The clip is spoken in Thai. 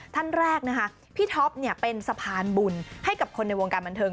ท่านแรกนะคะพี่ท็อปเป็นสะพานบุญให้กับคนในวงการบันเทิง